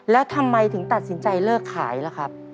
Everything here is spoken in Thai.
แล้วทำไมถึงตัดสินใจเลิกขายล่ะครับ